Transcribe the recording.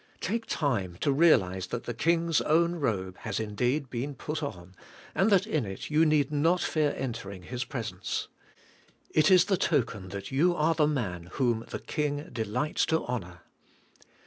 Take time to realize that the King's own robe has indeed been put on, and that in it you need not fear entering His presence. It is the token that you are the man whom the King delights to honour.